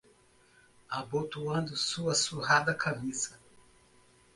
Abotoando sua surrada camisa